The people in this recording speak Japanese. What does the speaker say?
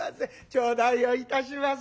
頂戴をいたします。